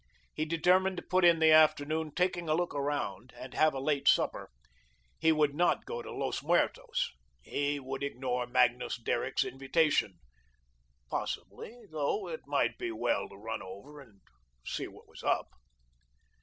He determined to put in the afternoon "taking a look around," and have a late supper. He would not go to Los Muertos; he would ignore Magnus Derrick's invitation. Possibly, though, it might be well to run over and see what was up.